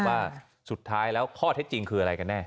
ว่าสุดท้ายแล้วข้อเท็จจริงคืออะไรกันแน่